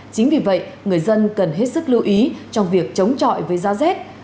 chính vì vậy người dân cần hết sức lưu ý trong việc chống chọi với giá rét